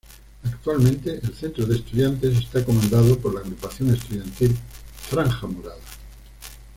Actualmente el Centro de Estudiantes está comandado por la agrupación estudiantil Franja Morada.